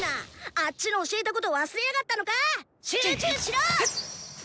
あッチの教えたことを忘れやがったのか⁉集中しろ！